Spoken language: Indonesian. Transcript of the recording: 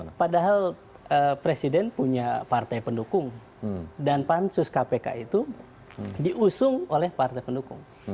ya padahal presiden punya partai pendukung dan pansus kpk itu diusung oleh partai pendukung